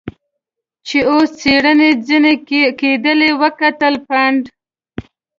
چې اوس څېړنې ځنې کېدلې وکتل، پنډ.